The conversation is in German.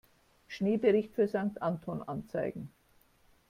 Schneebericht für Sankt Anton anzeigen.